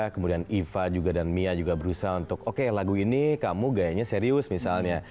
kemudian iva juga dan mia juga berusaha untuk oke lagu ini kamu gayanya serius misalnya